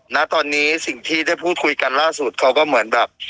ณตอนนี้สิ่งที่ได้พูดคุยกันล่าสุดเขาก็เหมือนแบบ